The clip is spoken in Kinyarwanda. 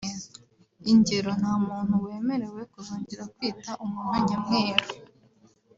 Ingero nta muntu wemerewe kuzongera kwita umuntu nyamweru